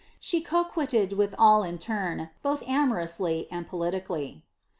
She coquetted with all in turn, both amorously and politically.